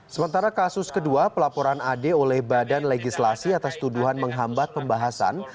sementara kasus kedua pelaporan ade oleh badan legislatif dpr atas tuduhan menghambat pembahasan